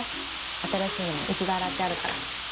新しいのも一度洗ってあるから。